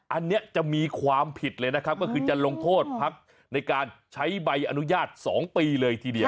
อันนี้จะมีความผิดเลยนะครับก็คือจะลงโทษพักในการใช้ใบอนุญาต๒ปีเลยทีเดียว